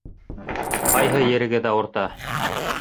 Ҡайһы ерегеҙ ауырта?